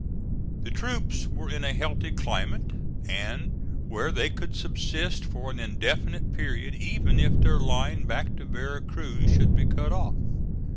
The troops were in a healthy climate, and where they could subsist for an indefinite period even if their line back to Vera Cruz should be cut off.